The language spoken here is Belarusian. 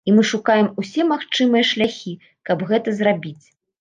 І мы шукаем усе магчымыя шляхі, каб гэта зрабіць.